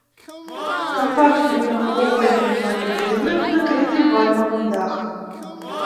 Кампактны прамавугольны ў плане будынак накрыты вальмавым дахам.